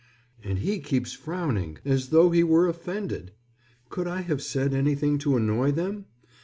And he keeps frowning as though he were offended. Could I have said anything to annoy them?